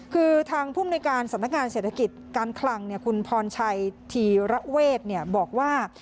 คือทางภูมิในการสำนักงานเศรษฐกิจการคลังคุณพรชัยธีระเวทบอกว่า